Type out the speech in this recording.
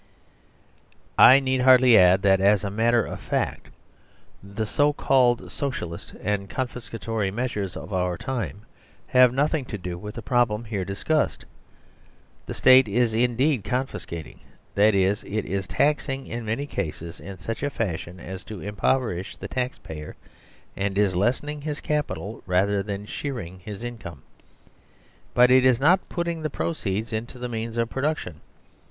I need hardly add that as a matter of fact the so called " Socialist " and confiscatory measures of our time have nothing to do with the problem here discussed. The State is indeed confiscating, that is, it is taxing in many cases in such a fashion as to impoverish the tax payer and is lessen ing his capital rather than shearing his income. But it is not putting the proceeds into the means of production.